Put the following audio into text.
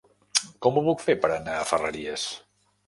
Com ho puc fer per anar a Ferreries?